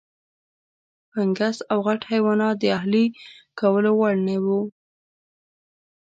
فنګس او غټ حیوانات د اهلي کولو وړ نه وو.